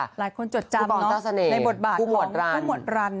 หลายคนจดจำเนอะในบทบาทคุณหมวดรันคุณหมวดรันนั่นเองคุณหมวดรัน